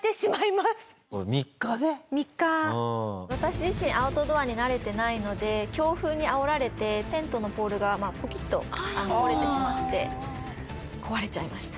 私自身アウトドアに慣れてないので強風にあおられてテントのポールがポキッと折れてしまって壊れちゃいました。